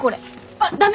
あっ駄目！